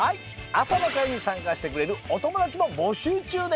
あさのかいにさんかしてくれるおともだちもぼしゅうちゅうです。